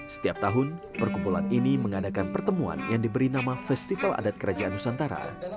setiap tahun perkumpulan ini mengadakan pertemuan yang diberi nama festival adat kerajaan nusantara